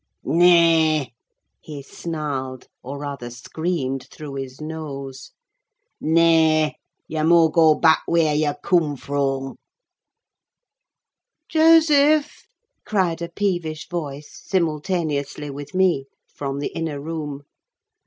"Na—ay!" he snarled, or rather screamed through his nose. "Na—ay! yah muh goa back whear yah coom frough." "Joseph!" cried a peevish voice, simultaneously with me, from the inner room.